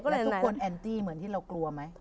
เค้าแบบว่าแอนตี้ไง